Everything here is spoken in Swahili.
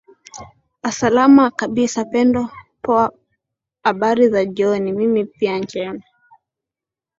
asalama kabisa pendo poa habari za jioni mimi pia njema